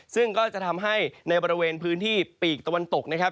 ซึ่งก็จะทำให้ในบริเวณพื้นที่ปีกตะวันตกนะครับ